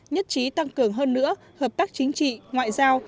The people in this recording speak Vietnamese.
nhất trí tăng cường hơn nữa hợp tác chính trị ngoại giao